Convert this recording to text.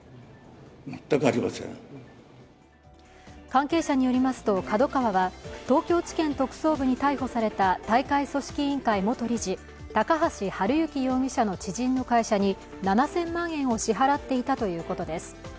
関係者によりますとＫＡＤＯＫＡＷＡは東京地検特捜部に逮捕された大会組織委員会元理事、高橋治之容疑者の知人の会社に７０００万円を支払っていたということです。